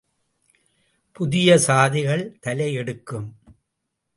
புதிய சாதிகள் தலையெடுக்கும்.